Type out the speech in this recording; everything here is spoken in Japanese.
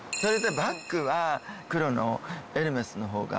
バッグは黒のエルメスの方が。